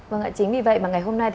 vâng ạ chính vì vậy mà ngày hôm nay